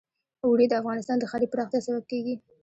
اوړي د افغانستان د ښاري پراختیا سبب کېږي.